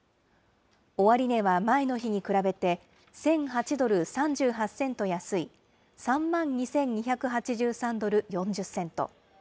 終値は前の日に比べて、１００８ドル３８セント安い、３万２２８３ドル４０セント。